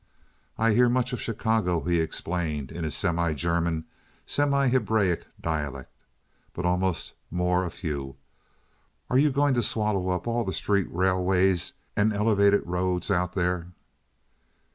"I hear much of Chicawkgo," he explained, in his semi German, semi Hebraic dialect, "but almozd more uff you. Are you goink to swallow up all de street railwaiss unt elefated roats out dere?"